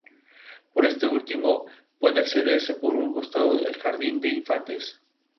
Una tradición relativamente nueva en la cerámica es el arte popular.